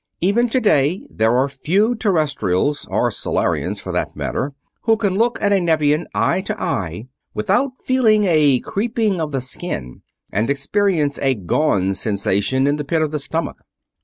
Even today there are few Terrestrials or Solarians, for that matter who can look at a Nevian, eye to eye, without feeling a creeping of the skin and experiencing a "gone" sensation in the pit of the stomach.